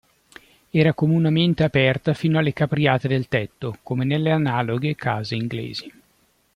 Era comunemente "aperta" fino alle capriate del tetto, come nelle analoghe case inglesi.